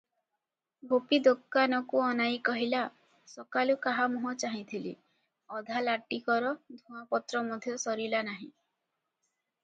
ଗୋପୀ ଦୋକାନକୁ ଅନାଇ କହିଲା, "ସକାଳୁ କାହା ମୁହଁ ଚାହିଁଥିଲି, ଅଧାଲାଟିକର ଧୂଆଁପତ୍ର ମଧ୍ୟ ସରିଲା ନାହିଁ ।"